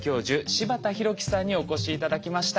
柴田弘紀さんにお越し頂きました。